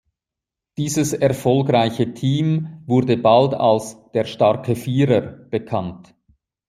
Dieses erfolgreiche Team wurde bald als „Der starke Vierer“ bekannt.